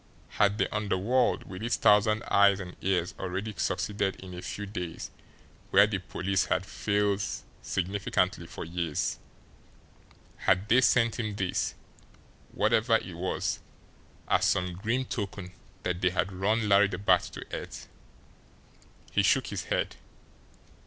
Had the underworld with its thousand eyes and ears already succeeded in a few days where the police had failed signally for years had they sent him this, whatever it was, as some grim token that they had run Larry the Bat to earth? He shook his head.